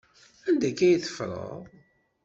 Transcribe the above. Anda akka ay teffreḍ?